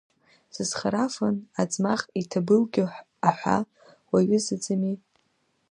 Зызхарафан аӡмах иҭабылгьо аҳәа уаҩызаӡами?